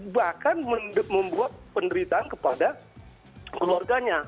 bahkan membuat penderitaan kepada keluarganya